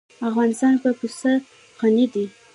افغانستان په پسه غني دی.